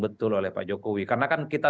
betul oleh pak jokowi karena kan kita